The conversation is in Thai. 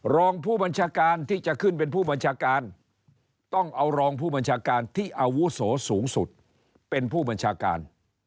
รองผู้บัญชาการที่จะขึ้นเป็นผู้บัญชาการต้องเอารองผู้บัญชาการที่อาวุโสสูงสุดเป็นผู้บัญชาการ